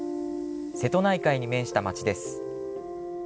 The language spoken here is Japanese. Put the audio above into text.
瀬戸内海に面した町です。